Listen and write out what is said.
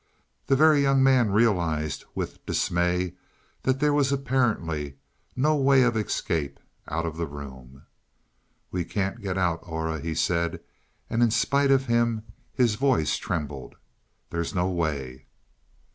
The Very Young Man realized with dismay that there was apparently no way of escape out of the room. "We can't get out, Aura," he said, and in spite of him his voice trembled. "There's no way."